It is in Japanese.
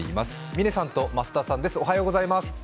嶺さんと増田さんです。